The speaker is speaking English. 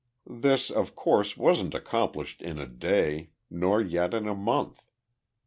This, of course, wasn't accomplished in a day, nor yet in a month.